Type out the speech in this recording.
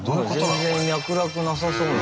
全然脈絡なさそうな。